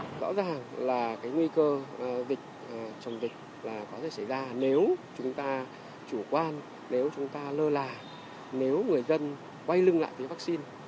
thì rõ ràng là cái nguy cơ dịch chồng dịch là có thể xảy ra nếu chúng ta chủ quan nếu chúng ta lơ là nếu người dân quay lưng lại cái vaccine